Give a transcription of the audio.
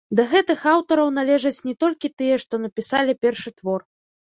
Да гэтых аўтараў належаць не толькі тыя, што напісалі першы твор.